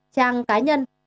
trang cá nhân